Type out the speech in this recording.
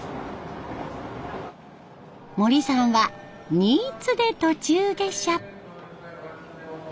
森さんは新津で途中下車。